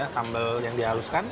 sambal yang dihaluskan